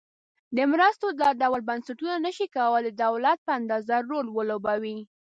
د مرستو دا ډول بنسټونه نشي کولای د دولت په اندازه رول ولوبوي.